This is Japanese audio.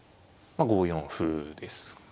まあ５四歩ですか。